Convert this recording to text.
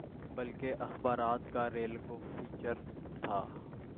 بلکہ اخبارات کا ریگولر فیچر تھا۔